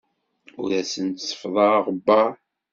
Ur asent-seffḍeɣ aɣebbar.